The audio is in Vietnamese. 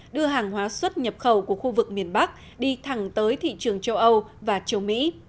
đưa hàng hóa xuất nhập khẩu của khu vực miền bắc đi thẳng tới thị trường châu âu và châu mỹ